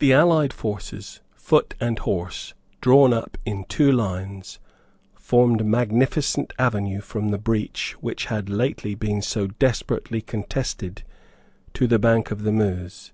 The allied forces, foot and horse, drawn up in two lines, formed a magnificent avenue from the breach which had lately been so desperately contested to the bank of the Meuse.